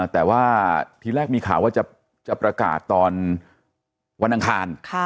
แต่ว่าทีแรกมีข่าวว่าจะประกาศตอนวันอังคาร